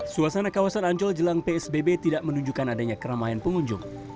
suasana kawasan ancol jelang psbb tidak menunjukkan adanya keramaian pengunjung